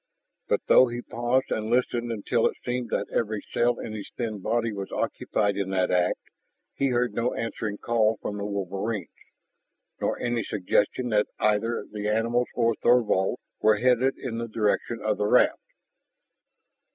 But, though he paused and listened until it seemed that every cell in his thin body was occupied in that act, he heard no answering call from the wolverines, nor any suggestion that either the animals or Thorvald were headed in the direction of the raft.